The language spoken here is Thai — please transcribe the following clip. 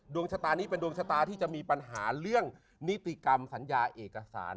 ดวงชะตานี้เป็นดวงชะตาที่จะมีปัญหาเรื่องนิติกรรมสัญญาเอกสาร